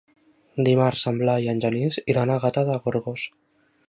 Dimarts en Blai i en Genís iran a Gata de Gorgos.